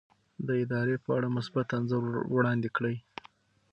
د ادارې په اړه مثبت انځور وړاندې کړئ.